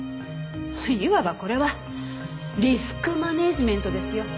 いわばこれはリスクマネジメントですよ。